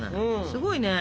すごいね。